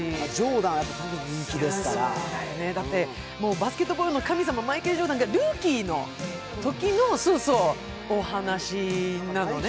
バスケットボールの神様マイケル・ジョーダンがルーキーのときの話なのね。